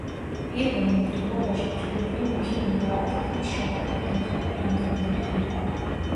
პირველ მორთულობაში ფრინველი მუქი მურაა, თითქმის შავი, ქვედა მხარე რამდენადმე ღიაა.